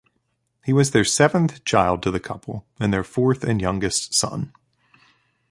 He was their seventh child to the couple and their fourth and youngest son.